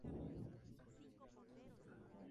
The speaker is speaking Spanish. De Andrade "et al.